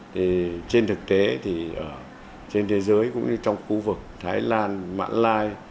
thì trên thực tế thì trên thế giới cũng như trong khu vực thái lan mã lai